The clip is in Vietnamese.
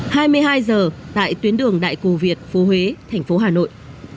hai mươi hai h tại tuyến đường đại cù việt phố huế thành phố hà nội